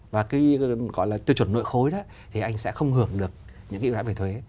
và cái gọi là tiêu chuẩn nội khối đó thì anh sẽ không hưởng được những cái ưu đãi về thuế